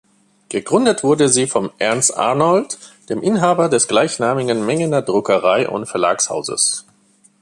Gegründet wurde sie von Ernst Arnold, dem Inhaber des gleichnamigen Mengeder Druckerei- und Verlagshauses.